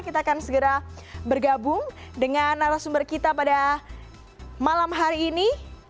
kita akan segera bergabung dengan narasumber kita pada malam hari ini